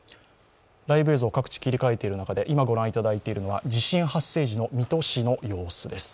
ライブ映像、各地切り替えている中で、今ご覧いただいているのは地震発生時の水戸市の様子です。